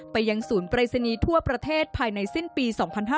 ยังศูนย์ปรายศนีย์ทั่วประเทศภายในสิ้นปี๒๕๕๙